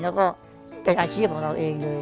แล้วก็เป็นอาชีพของเราเองเลย